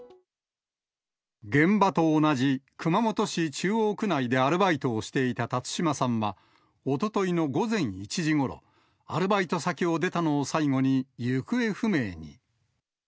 現場と同じ熊本市中央区内でアルバイトをしていた辰島さんは、おとといの午前１時ごろ、アルバイト先を出たのを最後に、行方不明に。